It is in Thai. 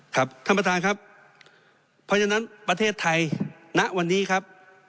ครับท่านประธานครับเพราะฉะนั้นประเทศไทยณวันนี้ครับ